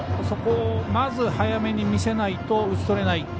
そこをまず早めに見せないと打ち取れない。